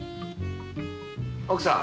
奥さん。